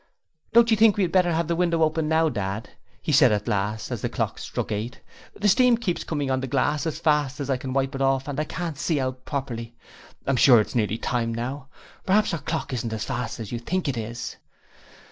'Don't you think we'd better have the window open now, Dad?' he said at last as the clock struck eight. 'The steam keeps coming on the glass as fast as I wipe it off and I can't see out properly. I'm sure it's nearly time now; p'raps our clock isn't as fast as you think it is.'